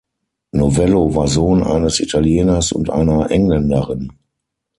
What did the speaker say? Novello war Sohn eines Italieners und einer Engländerin.